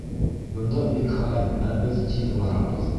Бында бик һай, ә беҙ тиҙ барабыҙ.